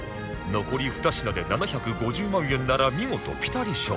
残り２品で７５０万円なら見事ピタリ賞